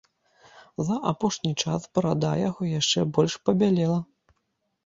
За апошні час барада яго яшчэ больш пабялела.